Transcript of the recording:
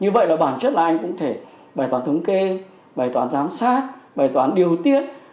như vậy là bản chất là anh cũng thể bài toán thống kê bài toán giám sát bài toán điều tiết